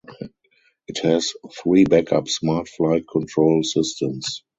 It has three backup smart flight control systems.